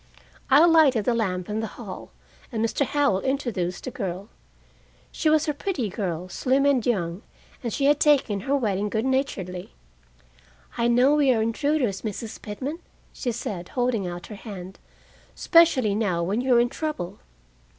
I lighted the lamp in the hall, and Mr. Howell introduced the girl. She was a pretty girl, slim and young, and she had taken her wetting good naturedly. "I know we are intruders, Mrs. Pitman," she said, holding out her hand. "Especially now, when you are in trouble."